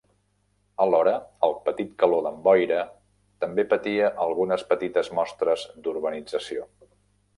Alhora, el petit Caló d'en Boira també patia algunes petites mostres d'urbanització.